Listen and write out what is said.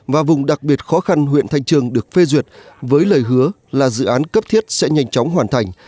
và vùng đặc biệt khó khăn huyện thanh trường được phê duyệt với lời hứa là dự án cấp thiết sẽ nhanh chóng hoàn thành